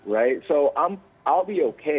jadi saya akan baik baik saja